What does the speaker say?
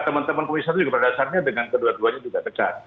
teman teman komisi satu juga berdasarkan dengan kedua duanya juga dekat